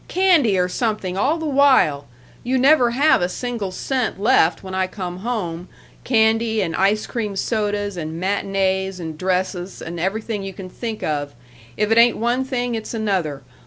Candy or something all the while! You never have a single cent left when I come home candy and ice cream sodas, and matinées, and dresses, and everything you can think of. If it ain't one thing, it's another.